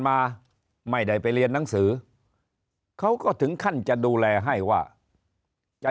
มาไม่ได้ไปเรียนหนังสือเขาก็ถึงขั้นจะดูแลให้ว่าจะ